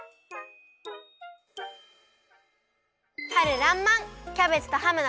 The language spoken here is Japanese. はるらんまん！